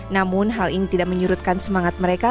namun hal ini tidak menyurutkan semangat mereka